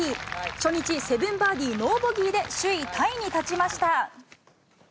初日７バーディー、ノーボギーで首位タイに立ちました。